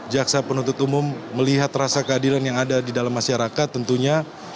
jaksa penuntut umum melihat rasa keadilan yang ada di dalam masyarakat tentunya